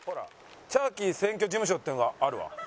チャーキー選挙事務所っていうのがあるわ。